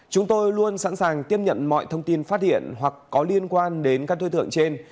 chúng tôi luôn sẵn sàng tiếp nhận mọi thông tin phát hiện hoặc có liên quan đến các đối tượng trên